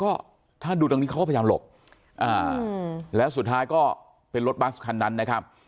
ก็ถ้าดูตรงนี้เขาก็พยายามหลบอ่าแล้วสุดท้ายก็เป็นรถบัสคันนั้นนะครับ